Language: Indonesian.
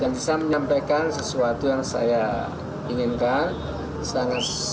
dan bisa menyampaikan sesuatu yang saya inginkan